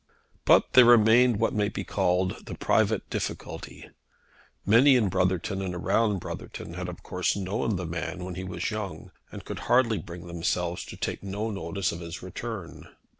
But there remained what may be called the private difficulty. Many in Brotherton and around Brotherton had of course known the man when he was young, and could hardly bring themselves to take no notice of his return.